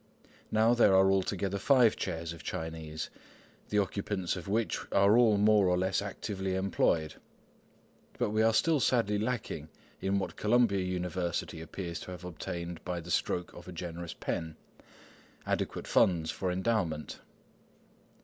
Now there are all together five chairs of Chinese, the occupants of which are all more or less actively employed. But we are still sadly lacking in what Columbia University appears to have obtained by the stroke of a generous pen,—adequate funds for endowment.